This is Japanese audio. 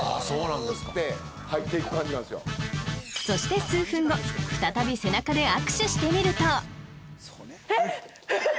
［そして数分後再び背中で握手してみると］えっ！？え！